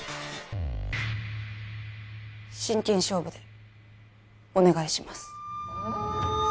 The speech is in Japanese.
真剣勝負でお願いします